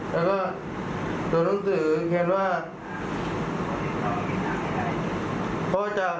มันเหมือนสะท้อนกับมาหาตัวเราเอง